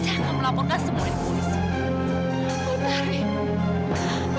saya akan melaporkan semua ke polisi